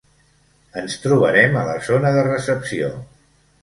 Ens trobarem a la zona de recepció.